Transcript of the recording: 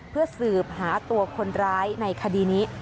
เพื่อสืบหาตัวคนร้ายในคดีนี้